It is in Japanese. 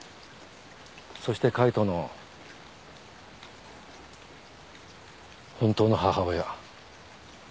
そして海人の本当の母親。